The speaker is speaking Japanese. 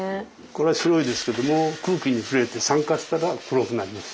これは白いですけども空気に触れて酸化したら黒くなります。